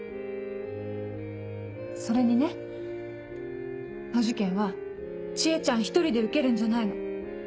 それにねお受験は知恵ちゃん一人で受けるんじゃないの。